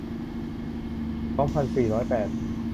สองพันสี่ร้อยแปด